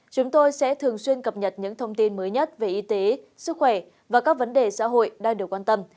chúng tôi sẽ thường xuyên cập nhật những thông tin mới nhất về y tế sức khỏe và các vấn đề xã hội đang được quan tâm